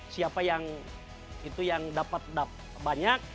siapa yang dapat banyak